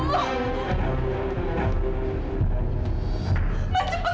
ma cepet tung ma